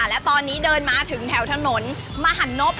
และตอนนี้เดินมาถึงแถวถนนมหันนบ